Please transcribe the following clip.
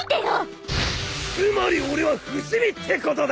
つまり俺は不死身ってことだ！